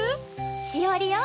しおりよ。